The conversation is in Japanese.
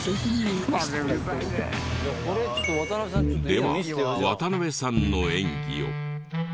では渡邉さんの演技を。